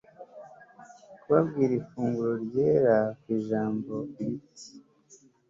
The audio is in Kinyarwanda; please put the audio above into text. Kubabwira Ifunguro Ryera Ku ijambo ibiti